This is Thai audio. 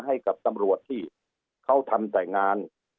ให้กับตำรวจที่เขาทำแต่งาน